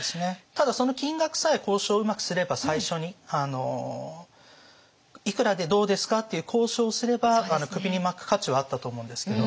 ただ金額さえ交渉をうまくすれば最初に「いくらでどうですか？」っていう交渉をすれば首に巻く価値はあったと思うんですけど。